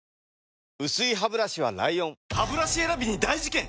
薄いハブラシは ＬＩＯＮハブラシ選びに大事件！